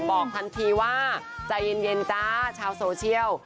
บอกทันทีว่าใจเย็นจ้าชาวโซเชียล